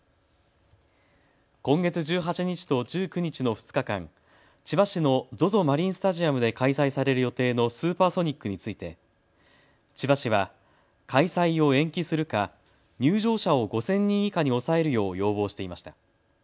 今月１８日と１９日の２日間、千葉市のＺＯＺＯマリンスタジアムで開催される予定のスーパーソニックについて千葉市は開催を延期するか入場者を５０００人以下に抑えるよう要望していました。